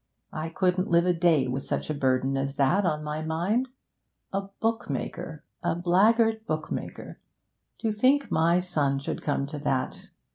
I couldn't live a day with such a burden as that on my mind. A bookmaker! A blackguard bookmaker! To think my son should come to that!